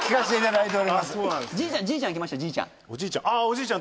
じいちゃん